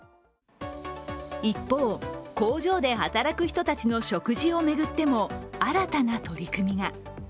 一方、工場で働く人たちの食事を巡っても新たな取り組みが。